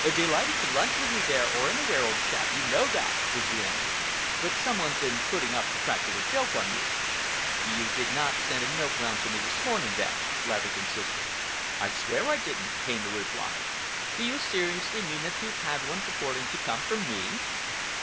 "Delighted to lunch with you there or anywhere, old chap,—you know that," was the answer, "but some one's been putting up a practical joke on you." "You did not send me a note round this morning, then?" Laverick insisted. "I'll swear I didn't," came the reply. "Do you seriously mean that you've had one purporting to come from me?"